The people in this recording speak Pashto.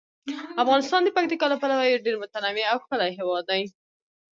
افغانستان د پکتیکا له پلوه یو ډیر متنوع او ښکلی هیواد دی.